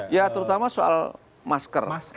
ya terutama soal masker